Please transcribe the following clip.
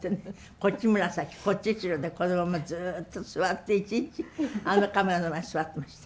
こっち紫こっち白でこのままずっと座って一日あのカメラの前で座ってました。